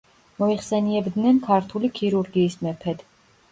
მოიხსენიებდნენ „ქართული ქირურგიის მეფედ“.